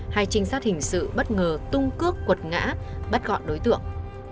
hai trinh sát hình sự bất ngờ tung cước cuột ngã bắt gọn đối tượng